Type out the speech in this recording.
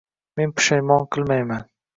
Men pushaymon qilmayman.